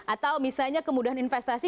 atau misalnya kemudahan investasi